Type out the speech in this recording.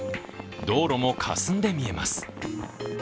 道路もかすんで見えます。